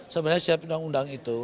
sebenarnya siap undang undang itu